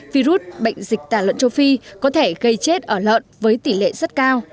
virus bệnh dịch tả lợn châu phi có thể gây chết ở lợn với tỷ lệ rất cao